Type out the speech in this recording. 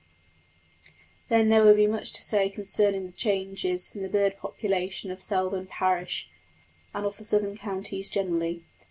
Then there would be much to say concerning the changes in the bird population of Selborne parish, and of the southern counties generally.